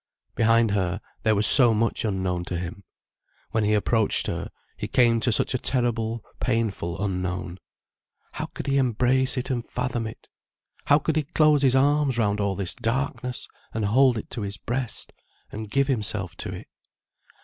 Behind her, there was so much unknown to him. When he approached her, he came to such a terrible painful unknown. How could he embrace it and fathom it? How could he close his arms round all this darkness and hold it to his breast and give himself to it?